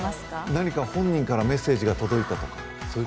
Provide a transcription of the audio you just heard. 何か本人からメッセージが届いたとか？